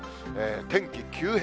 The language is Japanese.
天気急変。